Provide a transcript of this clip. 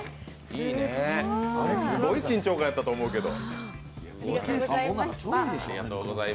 いいね、すごい緊張感やったと思うけど。